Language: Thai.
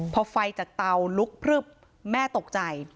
พอไฟจากเตาลุกพลึบแม่ตกใจ